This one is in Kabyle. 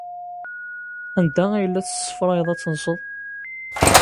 Anda ay la tessefrayeḍ ad tenseḍ?